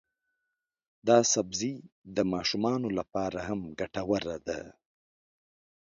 دا سبزی د ماشومانو لپاره هم ګټور دی.